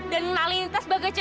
dan nalih ini tas baga cewek